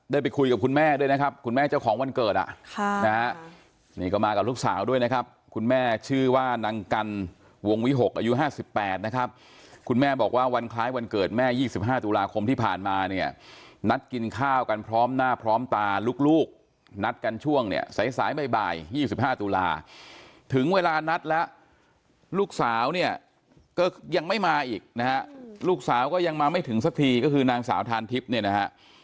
ได้ไปคุยกับคุณแม่ด้วยนะครับคุณแม่เจ้าของวันเกิดอ่ะค่ะนี่ก็มากับลูกสาวด้วยนะครับคุณแม่ชื่อว่านางกัลวงวิหกอายุห้าสิบแปดนะครับคุณแม่บอกว่าวันคล้ายวันเกิดแม่ยี่สิบห้าตุลาคมที่ผ่านมาเนี้ยนัดกินข้าวกันพร้อมหน้าพร้อมตาลูกลูกนัดกันช่วงเนี้ยสายสายบ่ายบ่ายยี่สิบห